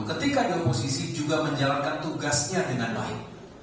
ketika di oposisi juga menjalankan tugasnya dengan baik